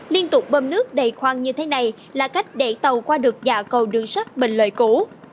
liên tục bơm nước đầy khoang như thế này là cách để tàu qua được dạ cầu đường sắt bình lợi cũ